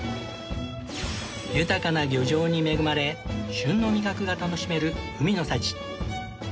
豊かな漁場に恵まれ旬の味覚が楽しめる海の幸